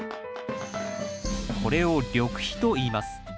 これを緑肥といいます。